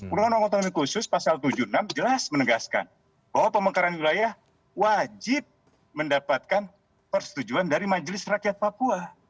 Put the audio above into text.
undang undang otonomi khusus pasal tujuh puluh enam jelas menegaskan bahwa pemekaran wilayah wajib mendapatkan persetujuan dari majelis rakyat papua